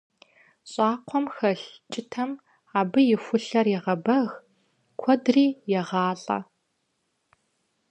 Щӏакхъуэм хэлъ кӀытэм абы и хулъэр егъэбэг, куэдри егъалӀэ.